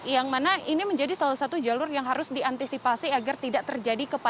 yang mana ini menjadi salah satu jalur yang harus diantisipasi agar tidak terjadi kepadatan